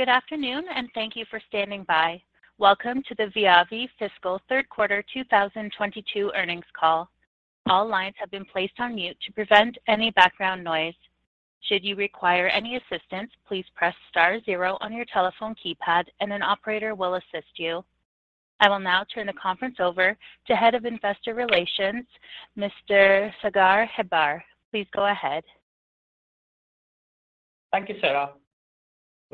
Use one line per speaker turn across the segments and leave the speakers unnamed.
Good afternoon, and thank you for standing by. Welcome to the Viavi fiscal third quarter 2022 earnings call. All lines have been placed on mute to prevent any background noise. Should you require any assistance, please press star zero on your telephone keypad and an operator will assist you. I will now turn the conference over to Head of Investor Relations, Mr. Sagar Hebbar. Please go ahead.
Thank you, Sarah.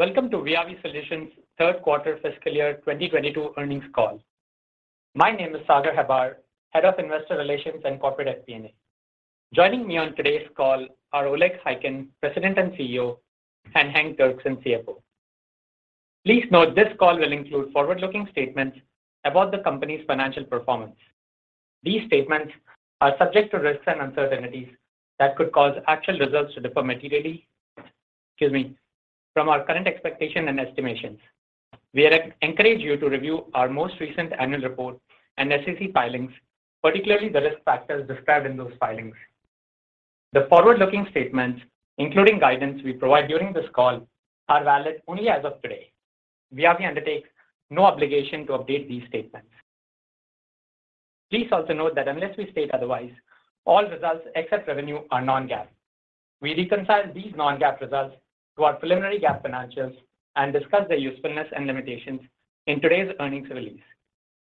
Welcome to Viavi Solutions third quarter fiscal year 2022 earnings call. My name is Sagar Hebbar, Head of Investor Relations and Corporate FP&A. Joining me on today's call are Oleg Khaykin, President and CEO, and Henk Derksen, CFO. Please note this call will include forward-looking statements about the company's financial performance. These statements are subject to risks and uncertainties that could cause actual results to differ materially, excuse me, from our current expectations and estimations. We encourage you to review our most recent annual report and SEC filings, particularly the risk factors described in those filings. The forward-looking statements, including guidance we provide during this call, are valid only as of today. Viavi undertakes no obligation to update these statements. Please also note that unless we state otherwise, all results except revenue are non-GAAP. We reconcile these non-GAAP results to our preliminary GAAP financials and discuss their usefulness and limitations in today's earnings release.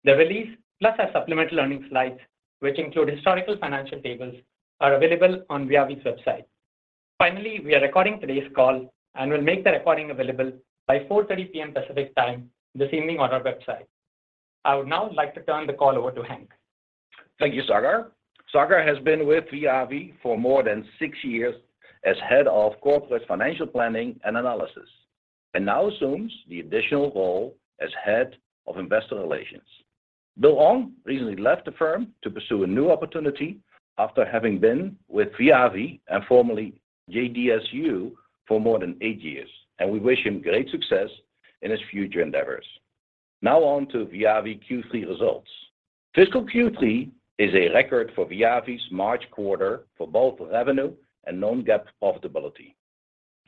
The release, plus our supplemental earnings slides, which include historical financial tables, are available on Viavi's website. Finally, we are recording today's call and will make the recording available by 4:30 P.M. Pacific Time this evening on our website. I would now like to turn the call over to Henk.
Thank you, Sagar. Sagar has been with Viavi for more than six years as Head of Corporate Financial Planning and Analysis, and now assumes the additional role as Head of Investor Relations. Bill Ong recently left the firm to pursue a new opportunity after having been with Viavi and formerly JDSU for more than eight years, and we wish him great success in his future endeavors. Now on to Viavi Q3 results. Fiscal Q3 is a record for Viavi's March quarter for both revenue and non-GAAP profitability.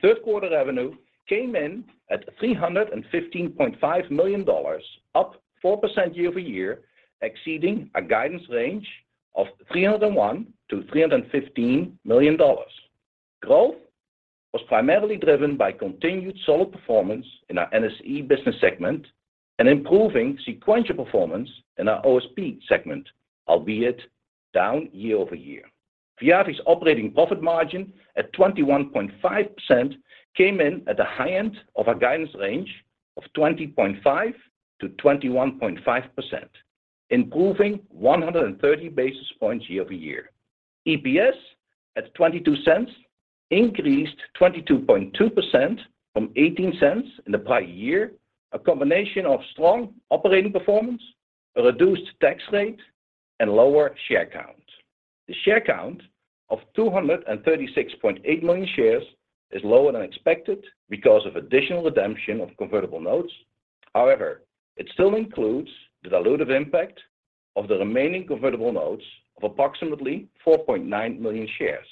Third quarter revenue came in at $315.5 million, up 4% year-over-year, exceeding our guidance range of $301 million-$315 million. Growth was primarily driven by continued solid performance in our NSE business segment and improving sequential performance in our OSP segment, albeit down year-over-year. Viavi's operating profit margin at 21.5% came in at the high end of our guidance range of 20.5%-21.5%, improving 130 basis points year-over-year. EPS at $0.22 increased 22.2% from $0.18 in the prior year, a combination of strong operating performance, a reduced tax rate, and lower share count. The share count of 236.8 million shares is lower than expected because of additional redemption of convertible notes. However, it still includes the dilutive impact of the remaining convertible notes of approximately 4.9 million shares.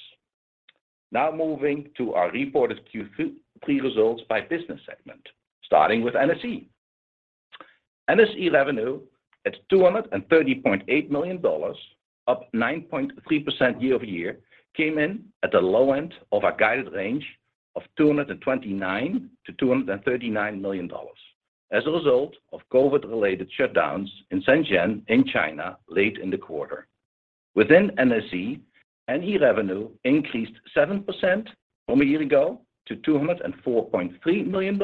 Now moving to our reported Q3 results by business segment, starting with NSE. NSE revenue at $230.8 million, up 9.3% year-over-year, came in at the low end of our guided range of $229 million-$239 million as a result of COVID-related shutdowns in Shenzhen in China late in the quarter. Within NSE, NE revenue increased 7% from a year ago to $204.3 million,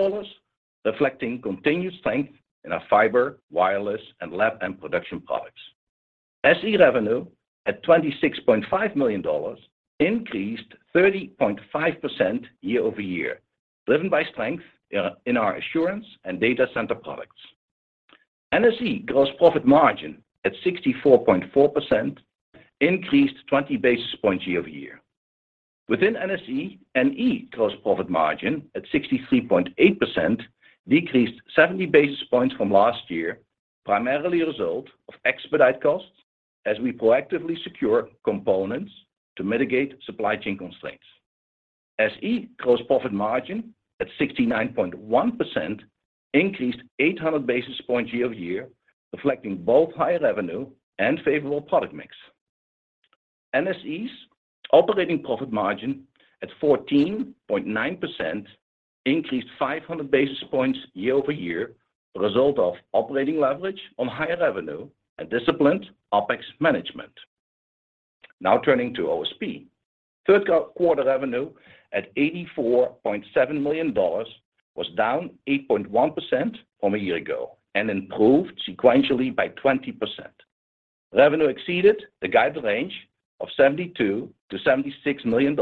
reflecting continued strength in our fiber, wireless, and lab and production products. SE revenue at $26.5 million increased 30.5% year-over-year, driven by strength in our assurance and data center products. NSE gross profit margin at 64.4% increased 20 basis points year-over-year. Within NSE, NE gross profit margin at 63.8% decreased 70 basis points from last year, primarily a result of expedite costs as we proactively secure components to mitigate supply chain constraints. SE gross profit margin at 69.1% increased 800 basis points year-over-year, reflecting both higher revenue and favorable product mix. NSE's operating profit margin at 14.9% increased 500 basis points year-over-year, a result of operating leverage on higher revenue and disciplined OpEx management. Now turning to OSP. Third quarter revenue at $84.7 million was down 8.1% from a year ago and improved sequentially by 20%. Revenue exceeded the guided range of $72 million-$76 million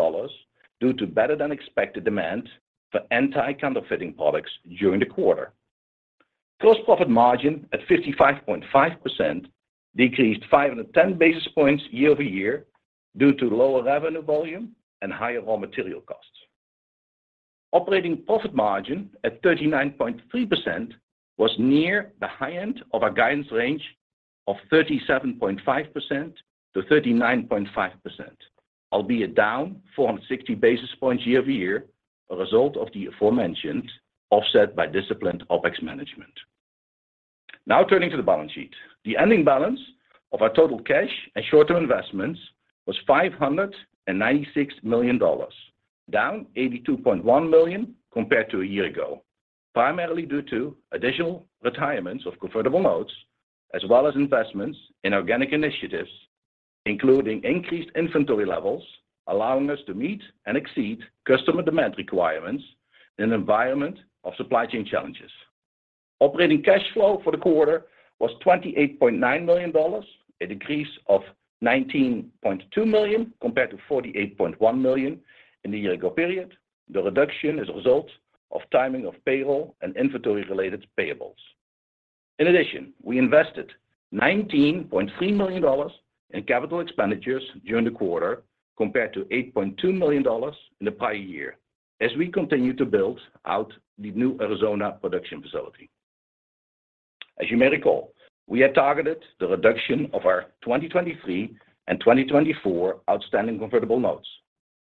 due to better than expected demand for anti-counterfeiting products during the quarter. Gross profit margin at 55.5% decreased 510 basis points year-over-year due to lower revenue volume and higher raw material costs. Operating profit margin at 39.3% was near the high end of our guidance range of 37.5%-39.5%, albeit down 460 basis points year-over-year, a result of the aforementioned, offset by disciplined OpEx management. Now turning to the balance sheet. The ending balance of our total cash and short-term investments was $596 million, down $82.1 million compared to a year ago. Primarily due to additional retirements of convertible notes as well as investments in organic initiatives, including increased inventory levels, allowing us to meet and exceed customer demand requirements in an environment of supply chain challenges. Operating cash flow for the quarter was $28.9 million, a decrease of $19.2 million compared to $48.1 million in the year ago period. The reduction is a result of timing of payroll and inventory-related payables. In addition, we invested $19.3 million in capital expenditures during the quarter compared to $8.2 million in the prior year as we continue to build out the new Arizona production facility. As you may recall, we had targeted the reduction of our 2023 and 2024 outstanding convertible notes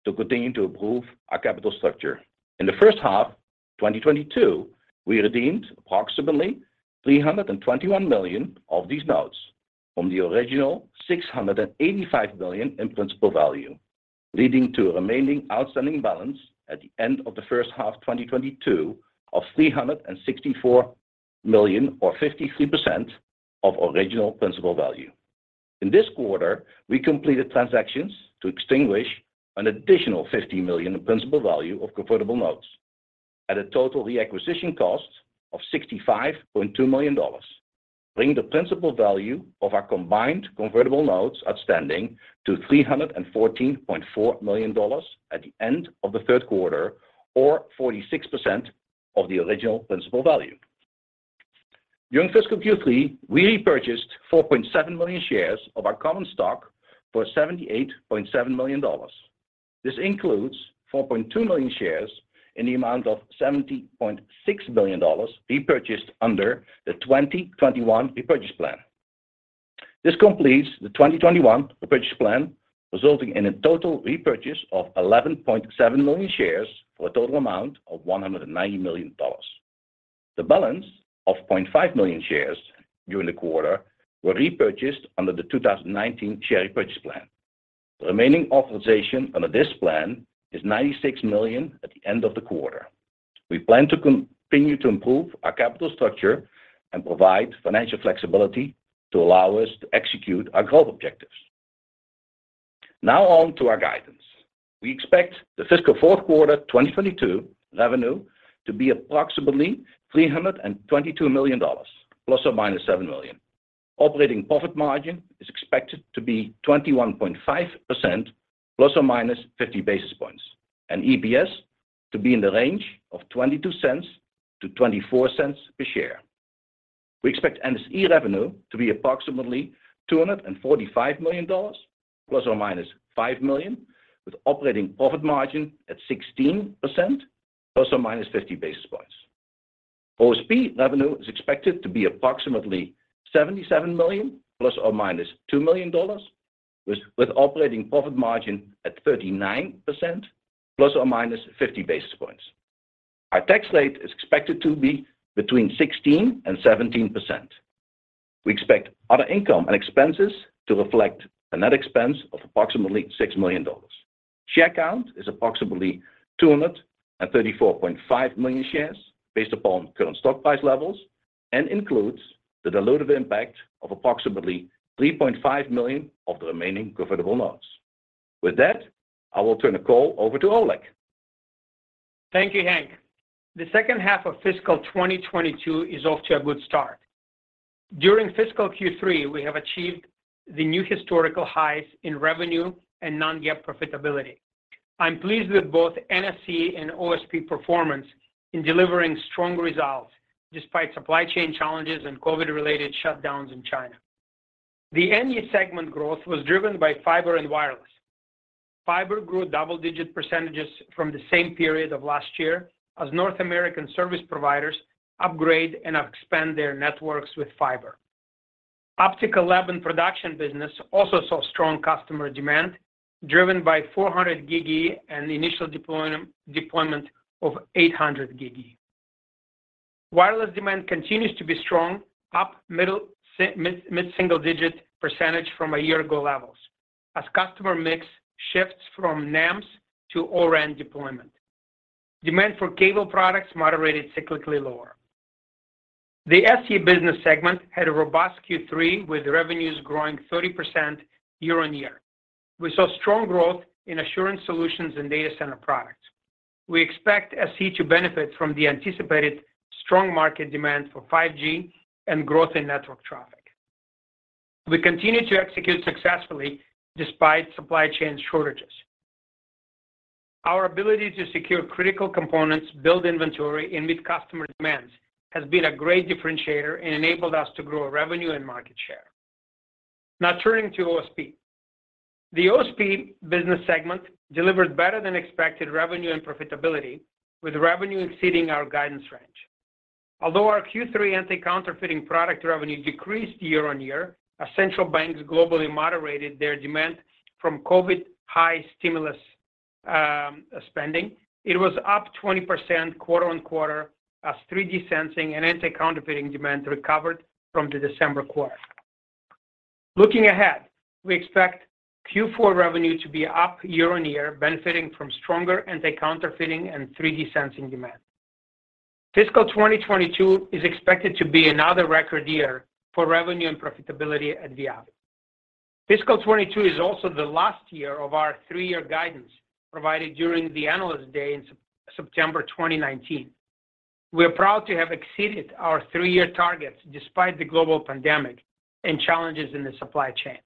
to continue to improve our capital structure. In the first half of 2022, we redeemed approximately $321 million of these notes from the original $685 million in principal value, leading to a remaining outstanding balance at the end of the first half of 2022 of $364 million or 53% of original principal value. In this quarter, we completed transactions to extinguish an additional $50 million in principal value of convertible notes at a total reacquisition cost of $65.2 million, bringing the principal value of our combined convertible notes outstanding to $314.4 million at the end of the third quarter or 46% of the original principal value. During fiscal Q3, we repurchased 4.7 million shares of our common stock for $78.7 million. This includes 4.2 million shares in the amount of $70.6 million repurchased under the 2021 repurchase plan. This completes the 2021 repurchase plan, resulting in a total repurchase of 11.7 million shares for a total amount of $190 million. The balance of 0.5 million shares during the quarter were repurchased under the 2019 share repurchase plan. The remaining authorization under this plan is $96 million at the end of the quarter. We plan to continue to improve our capital structure and provide financial flexibility to allow us to execute our growth objectives. Now on to our guidance. We expect the fiscal fourth quarter 2022 revenue to be approximately $322 million ±7 million. Operating profit margin is expected to be 21.5% ±50 basis points, and EPS to be in the range of $0.22-$0.24 per share. We expect NSE revenue to be approximately $245 million ±$5 million, with operating profit margin at 16% ±50 basis points. OSP revenue is expected to be approximately $77 million ±$2 million, with operating profit margin at 39% ±50 basis points. Our tax rate is expected to be between 16% and 17%. We expect other income and expenses to reflect a net expense of approximately $6 million. Share count is approximately 234.5 million shares based upon current stock price levels and includes the dilutive impact of approximately 3.5 million of the remaining convertible notes. With that, I will turn the call over to Oleg.
Thank you, Henk. The second half of fiscal 2022 is off to a good start. During fiscal Q3, we have achieved the new historical highs in revenue and non-GAAP profitability. I'm pleased with both NSE and OSP performance in delivering strong results despite supply chain challenges and COVID-related shutdowns in China. The NSE segment growth was driven by fiber and wireless. Fiber grew double-digit percentages from the same period of last year as North American service providers upgrade and expand their networks with fiber. Optical lab and production business also saw strong customer demand, driven by 400 Gb E and the initial deployment of 800 Gb E. Wireless demand continues to be strong, up mid-single digit percentage from a year ago levels as customer mix shifts from NAMs to ORAN deployment. Demand for cable products moderated cyclically lower. The NSE business segment had a robust Q3 with revenues growing 30% year-over-year. We saw strong growth in assurance solutions and data center products. We expect NSE to benefit from the anticipated strong market demand for 5G and growth in network traffic. We continue to execute successfully despite supply chain shortages. Our ability to secure critical components, build inventory, and meet customer demands has been a great differentiator and enabled us to grow revenue and market share. Now turning to OSP. The OSP business segment delivered better than expected revenue and profitability, with revenue exceeding our guidance range. Although our Q3 anti-counterfeiting product revenue decreased year-over-year, as central banks globally moderated their demand from COVID high stimulus, spending, it was up 20% quarter-over-quarter as 3D sensing and anti-counterfeiting demand recovered from the December quarter. Looking ahead, we expect Q4 revenue to be up year-over-year benefiting from stronger anti-counterfeiting and 3D sensing demand. Fiscal 2022 is expected to be another record year for revenue and profitability at Viavi. Fiscal 2022 is also the last year of our three-year guidance provided during the Analyst Day in September 2019. We are proud to have exceeded our three-year targets despite the global pandemic and challenges in the supply chain.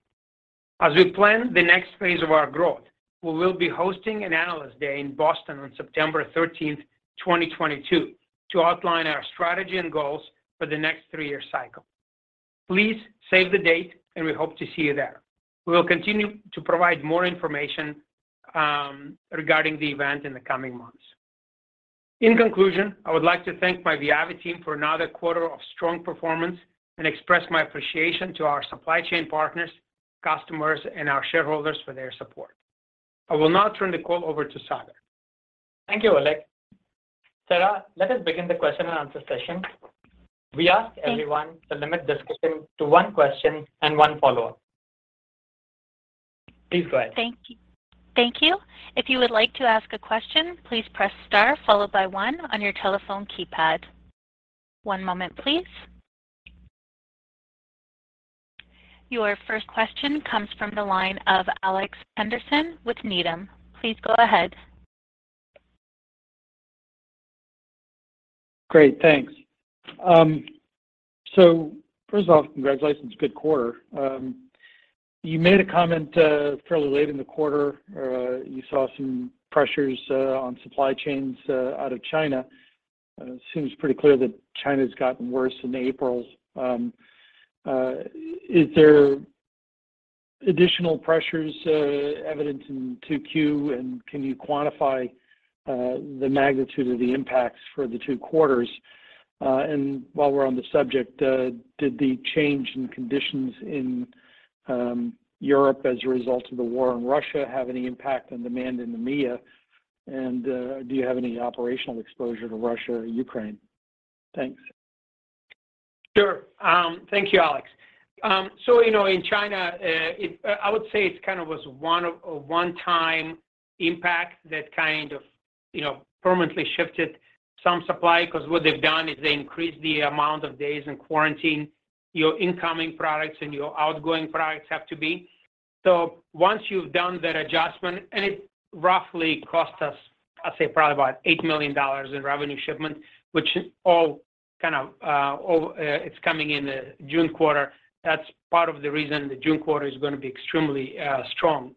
As we plan the next phase of our growth, we will be hosting an Analyst Day in Boston on September 13th, 2022 to outline our strategy and goals for the next three-year cycle. Please save the date, and we hope to see you there. We will continue to provide more information regarding the event in the coming months. In conclusion, I would like to thank my Viavi team for another quarter of strong performance and express my appreciation to our supply chain partners, customers, and our shareholders for their support. I will now turn the call over to Sagar.
Thank you, Oleg. Sarah, let us begin the question and answer session.
Thanks.
We ask everyone to limit discussion to one question and one follow-up. Please go ahead.
Thank you. Thank you. If you would like to ask a question, please press star followed by one on your telephone keypad. One moment, please. Your first question comes from the line of Alex Henderson with Needham. Please go ahead.
Great, thanks. First of all, congratulations. Good quarter. You made a comment fairly late in the quarter, you saw some pressures on supply chains out of China. Seems pretty clear that China's gotten worse in April. Is there additional pressures evident in 2Q, and can you quantify the magnitude of the impacts for the two quarters? While we're on the subject, did the change in conditions in Europe as a result of the war in Russia have any impact on demand in the EMEA? Do you have any operational exposure to Russia or Ukraine? Thanks.
Sure. Thank you, Alex. You know, in China, I would say it's kind of a one-time impact that kind of, you know, permanently shifted some supply, because what they've done is they increased the amount of days in quarantine your incoming products and your outgoing products have to be. Once you've done that adjustment, it roughly cost us, I'd say probably about $8 million in revenue shipment, which all kind of it's coming in the June quarter. That's part of the reason the June quarter is going to be extremely strong.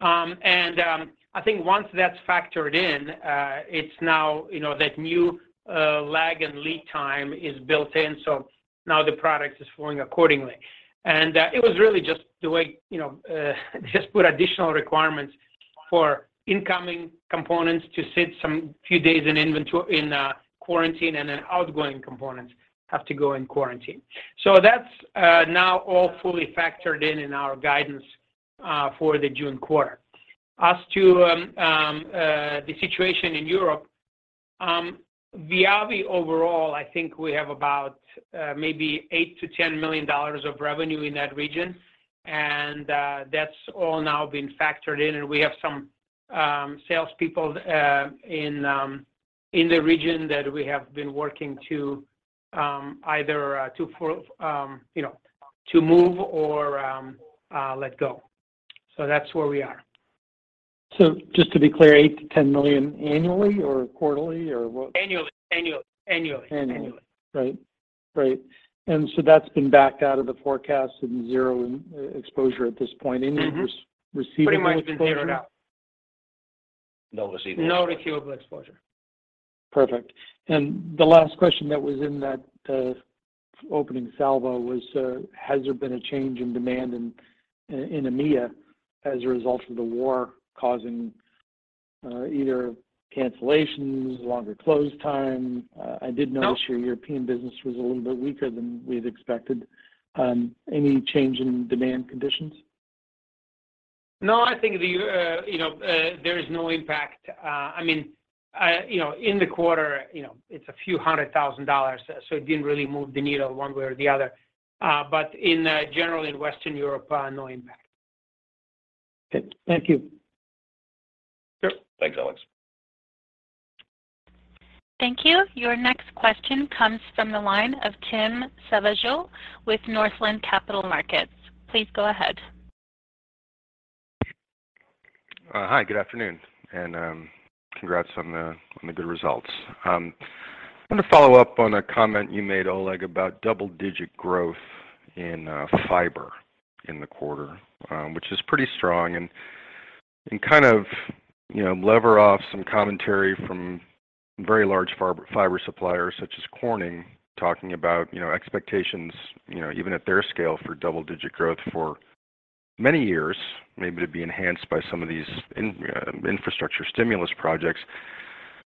I think once that's factored in, it's now, you know, that new lag and lead time is built in, so now the product is flowing accordingly. It was really just the way, you know, just put additional requirements for incoming components to sit some few days in inventory in quarantine, and then outgoing components have to go in quarantine. That's now all fully factored in our guidance for the June quarter. As to the situation in Europe, Viavi overall, I think we have about maybe $8 million-$10 million of revenue in that region, and that's all now been factored in. We have some salespeople in the region that we have been working to either move or let go. That's where we are.
Just to be clear, $8 million-$10 million annually or quarterly, or what?
Annually.
Annually.
Annually.
That's been backed out of the forecast and zero exposure at this point.
Mm-hmm.
Any receivable exposure?
Pretty much been zeroed out.
No receivable exposure.
No receivable exposure.
Perfect. The last question that was in that opening salvo was, has there been a change in demand in EMEA as a result of the war causing either cancellations, longer close times?
No.
I did notice your European business was a little bit weaker than we'd expected. Any change in demand conditions?
No, I think you know, there is no impact. I mean, you know, in the quarter, you know, it's a few hundred thousand, so it didn't really move the needle one way or the other. Generally in Western Europe, no impact.
Good. Thank you.
Sure.
Thanks, Alex.
Thank you. Your next question comes from the line of Tim Savageaux with Northland Capital Markets. Please go ahead.
Hi, good afternoon. Congrats on the good results. I'm gonna follow up on a comment you made, Oleg, about double-digit growth in fiber in the quarter, which is pretty strong. Kind of, you know, leverage off some commentary from very large fiber suppliers such as Corning talking about, you know, expectations, you know, even at their scale for double-digit growth for many years, maybe to be enhanced by some of these infrastructure stimulus projects.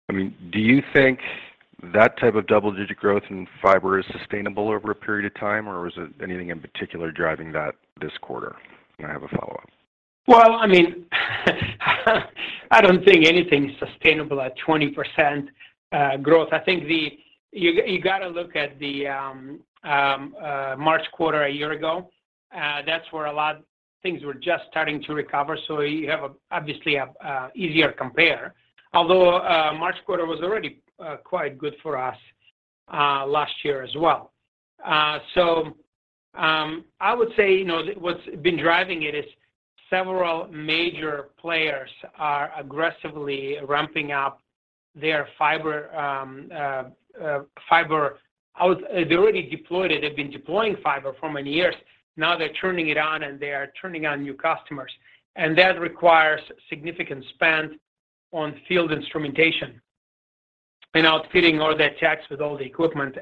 I mean, do you think that type of double-digit growth in fiber is sustainable over a period of time, or is it anything in particular driving that this quarter? I have a follow-up.
Well, I mean, I don't think anything is sustainable at 20% growth. You gotta look at the March quarter a year ago. That's where a lot of things were just starting to recover, so you have, obviously, an easier compare. Although, March quarter was already quite good for us last year as well. I would say, you know, what's been driving it is several major players are aggressively ramping up their fiber. They already deployed it. They've been deploying fiber for many years. Now they're turning it on, and they are turning on new customers, and that requires significant spend on field instrumentation and outfitting all their techs with all the equipment.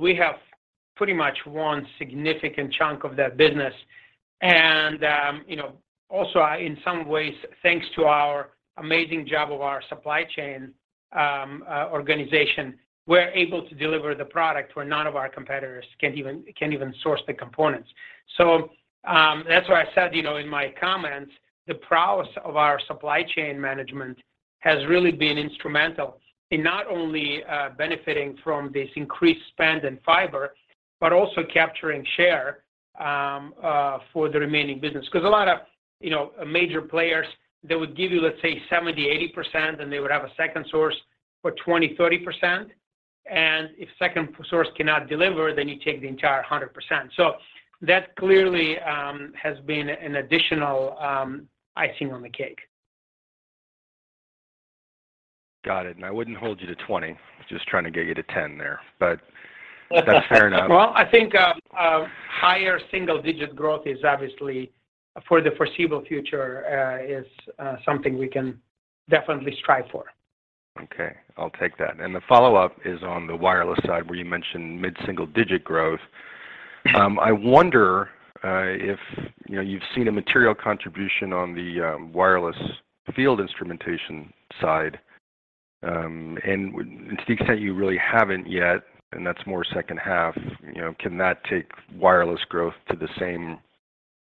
We have pretty much one significant chunk of that business. You know, also in some ways, thanks to our amazing job of our supply chain organization, we're able to deliver the product where none of our competitors can even source the components. That's why I said, you know, in my comments, the prowess of our supply chain management has really been instrumental in not only benefiting from this increased spend in fiber, but also capturing share for the remaining business. 'Cause a lot of, you know, major players, they would give you, let's say, 70%, 80%, and they would have a second source for 20%, 30%. And if second source cannot deliver, then you take the entire 100%. That clearly has been an additional icing on the cake.
Got it. I wouldn't hold you to 20. Just trying to get you to 10 there. That's fair enough.
Well, I think higher single-digit growth is obviously for the foreseeable future, something we can definitely strive for.
Okay. I'll take that. The follow-up is on the wireless side, where you mentioned mid-single digit growth. I wonder if, you know, you've seen a material contribution on the wireless field instrumentation side. To the extent you really haven't yet, and that's more second half, you know, can that take wireless growth to the same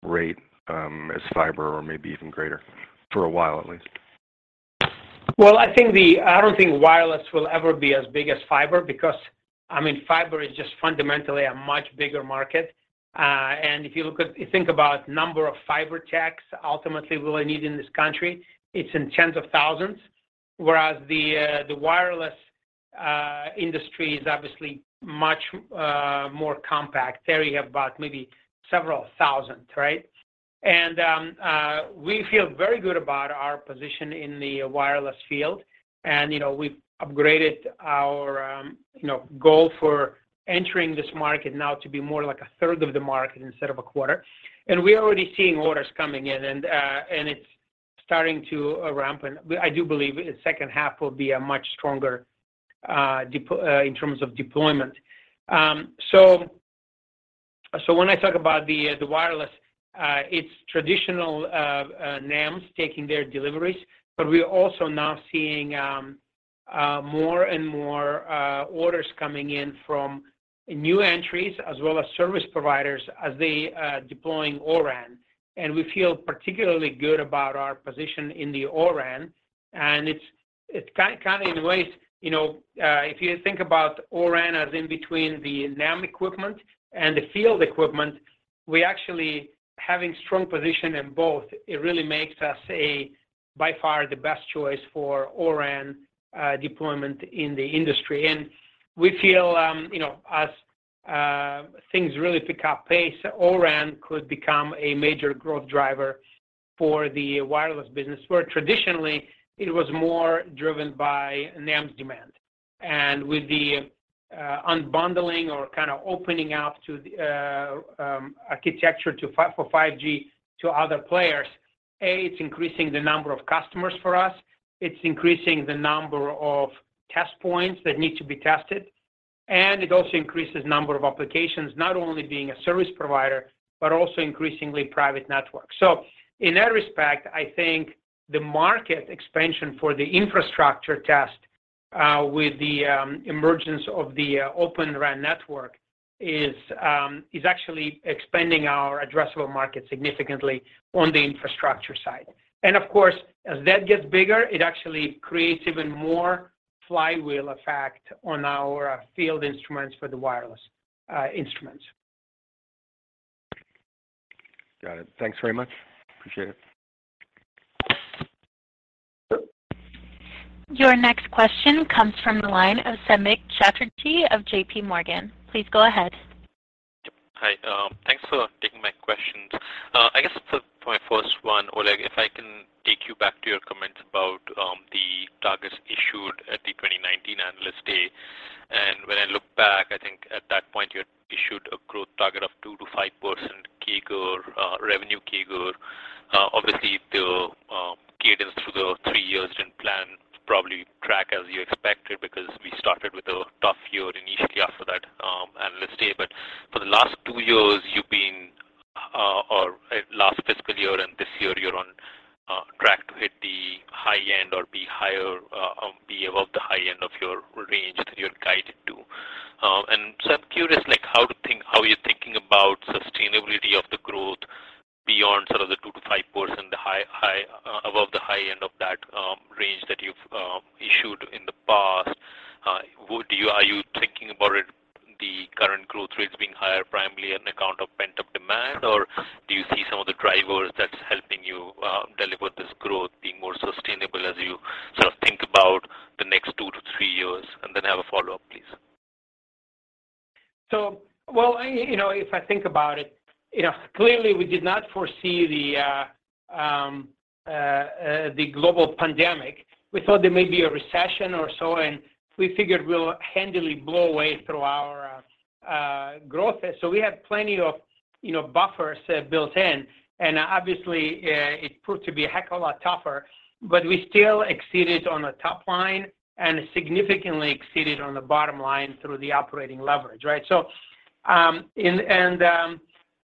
rate as fiber or maybe even greater for a while at least?
Well, I think I don't think wireless will ever be as big as fiber because, I mean, fiber is just fundamentally a much bigger market. If you think about number of fiber techs ultimately we'll need in this country, it's in tens of thousands, whereas the wireless industry is obviously much more compact. There you have about maybe several thousand, right? We feel very good about our position in the wireless field. You know, we've upgraded our goal for entering this market now to be more like 1/3 of the market instead of 1/4. We're already seeing orders coming in, and it's starting to ramp, and I do believe the second half will be a much stronger in terms of deployment. When I talk about the wireless, it's traditional NAMs taking their deliveries, but we're also now seeing more and more orders coming in from new entrants as well as service providers as they are deploying ORAN. We feel particularly good about our position in the ORAN, and it's kind of in ways, you know, if you think about ORAN as in between the NAM equipment and the field equipment, we actually having strong position in both, it really makes us a, by far, the best choice for ORAN deployment in the industry. We feel, you know, as things really pick up pace, ORAN could become a major growth driver for the wireless business, where traditionally it was more driven by NAM's demand. With the unbundling or kind of opening up to the architecture for 5G to other players, it's increasing the number of customers for us, it's increasing the number of test points that need to be tested, and it also increases number of applications, not only being a service provider, but also increasingly private networks. In that respect, I think the market expansion for the infrastructure test with the emergence of the Open RAN network is actually expanding our addressable market significantly on the infrastructure side. Of course, as that gets bigger, it actually creates even more flywheel effect on our field instruments for the wireless instruments.
Got it. Thanks very much. Appreciate it.
Your next question comes from the line of Samik Chatterjee of J.P. Morgan. Please go ahead.
Yep. Hi. Thanks for taking my questions. I guess my first one, Oleg, if I can take you back to your comments about the target end back, I think at that point, you had issued a growth target of 2%-5% CAGR, revenue CAGR. Obviously the cadence through the three years didn't probably track as you expected because we started with a tough year initially after that Analyst Day. For the last two years, last fiscal year and this year, you're on track to hit the high end or be higher or be above the high end of your range that you had guided to. I'm curious, like how to think, how you're thinking about sustainability of the growth beyond sort of the 2%-5%, above the high end of that range that you've issued in the past. Are you thinking about it, the current growth rates being higher primarily on account of pent-up demand? Or do you see some of the drivers that's helping you deliver this growth being more sustainable as you sort of think about the next 2-3 years? I have a follow-up, please.
Well, you know, if I think about it, you know, clearly we did not foresee the global pandemic. We thought there may be a recession or so, and we figured we'll handily blow away through our growth. We have plenty of, you know, buffers built in. Obviously, it proved to be a heck of a lot tougher, but we still exceeded on the top line and significantly exceeded on the bottom line through the operating leverage, right?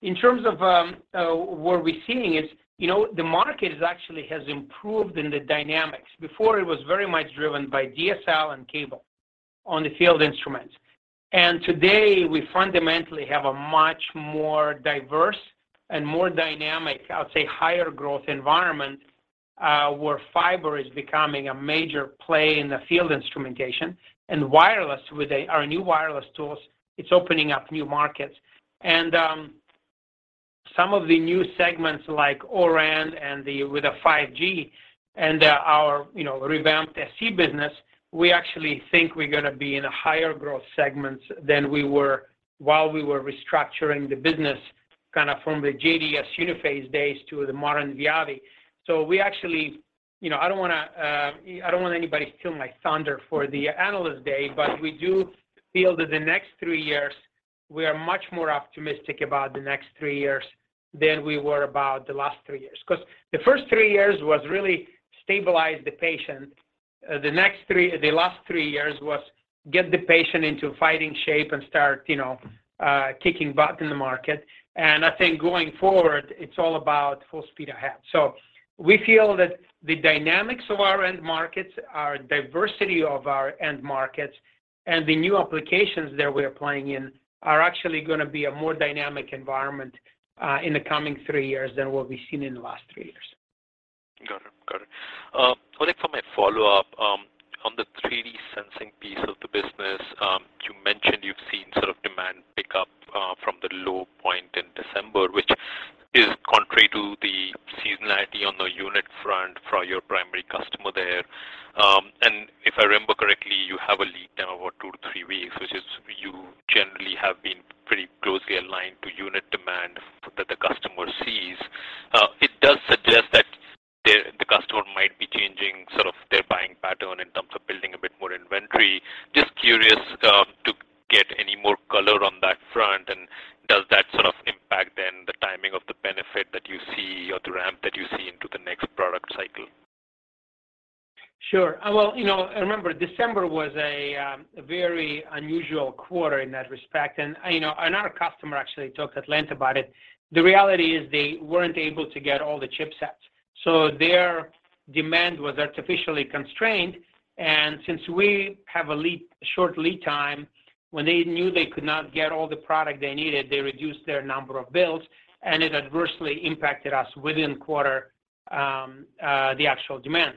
In terms of what we're seeing is, you know, the market is actually has improved in the dynamics. Before it was very much driven by DSL and cable on the field instruments. Today, we fundamentally have a much more diverse and more dynamic, I would say, higher growth environment, where fiber is becoming a major play in the field instrumentation and wireless with our new wireless tools, it's opening up new markets. Some of the new segments like ORAN with the 5G and our you know revamped SE business, we actually think we're gonna be in a higher growth segments than we were while we were restructuring the business, kind of from the JDS Uniphase days to the modern Viavi. We actually you know I don't wanna I don't want anybody to steal my thunder for the Analyst Day, but we do feel that the next three years, we are much more optimistic about the next three years than we were about the last three years. Because the first three years was really stabilize the patient. The last three years was get the patient into fighting shape and start, you know, kicking butt in the market. I think going forward, it's all about full speed ahead. We feel that the dynamics of our end markets, our diversity of our end markets, and the new applications that we're playing in are actually gonna be a more dynamic environment in the coming three years than what we've seen in the last three years.
Got it. I think for my follow-up, on the 3D sensing piece of the business, you mentioned you've seen sort of demand pick up, from the low point in December, which is contrary to the seasonality on the unit front for your primary customer there. If I remember correctly, you have a lead time of about 2-3 weeks, which is you generally have been pretty closely aligned to unit demand that the customer sees. It does suggest that the customer might be changing sort of their buying pattern in terms of building a bit more inventory. Just curious, to get any more color on that front, and does that sort of impact then the timing of the benefit that you see or the ramp that you see into the next product cycle?
Sure. Well, you know, remember, December was a very unusual quarter in that respect. You know, another customer actually talked at length about it. The reality is they weren't able to get all the chipsets, so their demand was artificially constrained. Since we have short lead time, when they knew they could not get all the product they needed, they reduced their number of builds, and it adversely impacted us within quarter, the actual demand.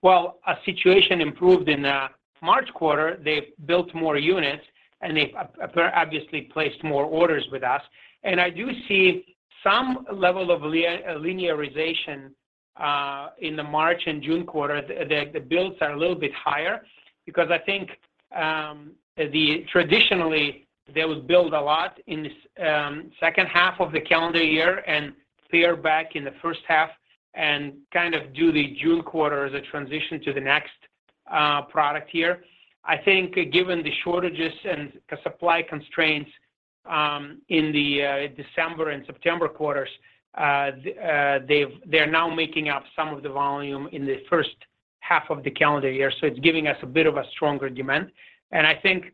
Well, our situation improved in the March quarter. They built more units, and they've obviously placed more orders with us. I do see some level of linearization in the March and June quarter. The builds are a little bit higher because I think the Traditionally, they would build a lot in this second half of the calendar year and clear back in the first half and kind of do the June quarter as a transition to the next product year. I think given the shortages and the supply constraints in the December and September quarters, they're now making up some of the volume in the first half of the calendar year, so it's giving us a bit of a stronger demand. I think,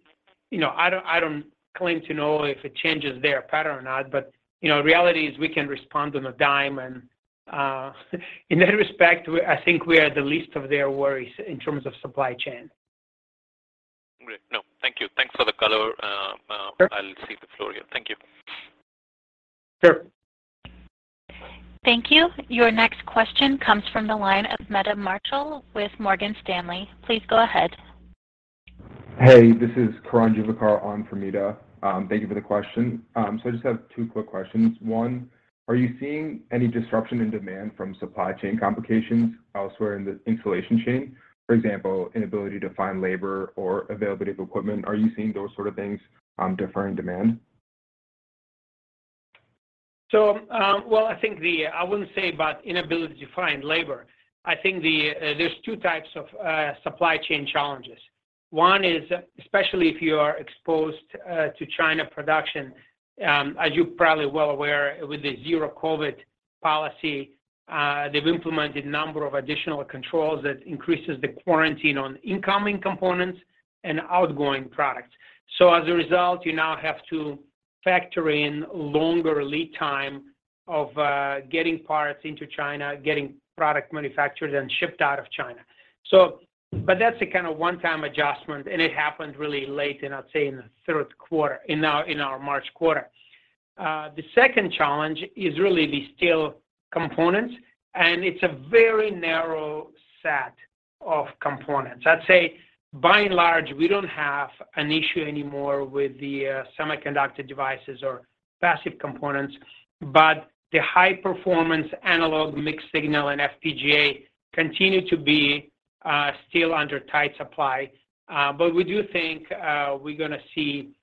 you know, I don't claim to know if it changes their pattern or not, but, you know, reality is we can respond on a dime. In that respect, I think we are the least of their worries in terms of supply chain.
Great. No, thank you. Thanks for the color.
Sure.
I'll cede the floor here. Thank you.
Sure.
Thank you. Your next question comes from the line of Meta Marshall with Morgan Stanley. Please go ahead.
Hey, this is Karan Juvekar on for Meta Marshall. Thank you for the question. So I just have two quick questions. One, are you seeing any disruption in demand from supply chain complications elsewhere in the installation chain? For example, inability to find labor or availability of equipment. Are you seeing those sort of things, defer in demand?
I wouldn't say about inability to find labor. I think there's two types of supply chain challenges. One is, especially if you are exposed to China production, as you're probably well aware with the zero COVID policy, they've implemented a number of additional controls that increases the quarantine on incoming components and outgoing products. As a result, you now have to factor in longer lead time of getting parts into China, getting product manufactured and shipped out of China. That's a kind of one-time adjustment, and it happened really late in, I'd say, in the third quarter, in our March quarter. The second challenge is really the steel components, and it's a very narrow set of components. I'd say by and large, we don't have an issue anymore with the semiconductor devices or passive components, but the high-performance analog mixed signal and FPGA continue to be still under tight supply. We do think we're gonna see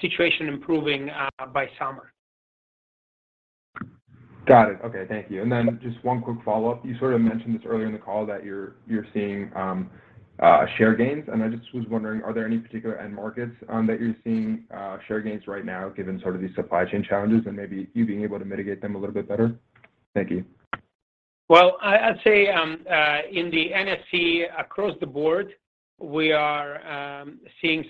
situation improving by summer.
Got it. Okay, thank you. Just one quick follow-up. You sort of mentioned this earlier in the call that you're seeing share gains, and I just was wondering, are there any particular end markets that you're seeing share gains right now given sort of these supply chain challenges and maybe you being able to mitigate them a little bit better? Thank you.
Well, I'd say in the NSE across the board, we are seeing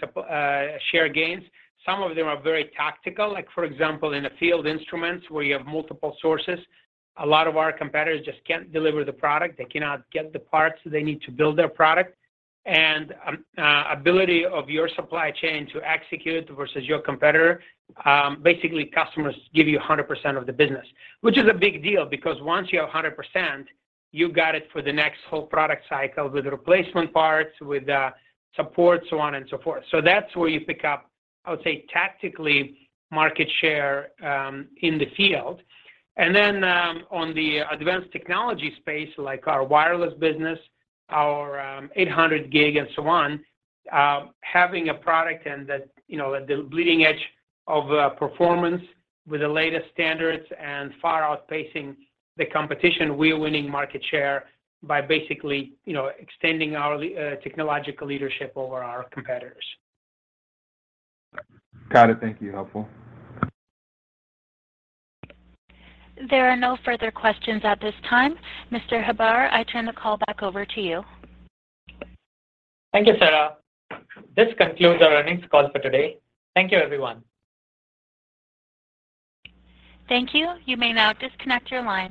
share gains. Some of them are very tactical, like for example, in the field instruments where you have multiple sources, a lot of our competitors just can't deliver the product. They cannot get the parts they need to build their product. Ability of your supply chain to execute versus your competitor, basically customers give you 100% of the business, which is a big deal because once you have 100%, you got it for the next whole product cycle with replacement parts, with support, so on and so forth. That's where you pick up, I would say, tactically market share in the field. On the advanced technology space, like our wireless business, our 800 Gb E and so on, having a product and that, you know, at the leading edge of performance with the latest standards and far outpacing the competition, we are winning market share by basically, you know, extending our technological leadership over our competitors.
Got it. Thank you. Helpful.
There are no further questions at this time. Mr. Hebbar, I turn the call back over to you.
Thank you, Sarah. This concludes our earnings call for today. Thank you, everyone.
Thank you. You may now disconnect your line.